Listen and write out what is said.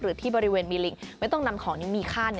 ที่บริเวณมีลิงไม่ต้องนำของนี้มีค่า